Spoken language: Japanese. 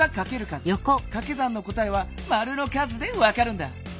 かけ算の答えはマルの数でわかるんだ。